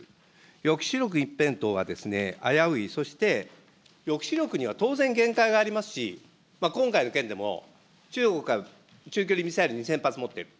抑止力一辺倒は危うい、そして抑止力には当然、限界がありますし、今回の件でも、長距離ミサイル２０００発持っている。